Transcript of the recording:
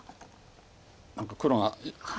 何か黒が。